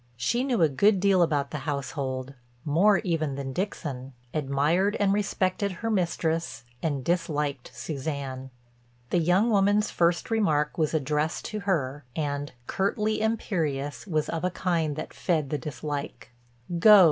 She knew a good deal about the household, more even than Dixon, admired and respected her mistress and disliked Suzanne. The young woman's first remark was addressed to her, and, curtly imperious, was of a kind that fed the dislike: "Go.